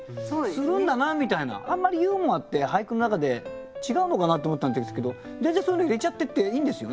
あんまりユーモアって俳句の中で違うのかなって思ったんですけど全然そういうの入れちゃってっていいんですよね？